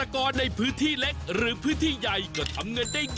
โปรดติดตามตอนต่อไป